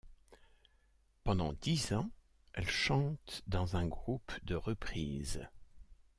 Pendant dix ans, elle chante dans un groupe de reprises.